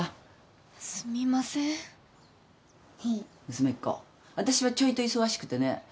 娘っ子あたしはちょいと忙しくてね